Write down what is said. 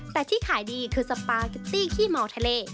แต่ที่ขายดีคือสปาเกตตี้ขี้เมาทะเล